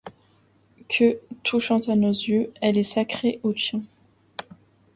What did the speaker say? Que, touchante à nos yeux, elle est sacrée aux tiens.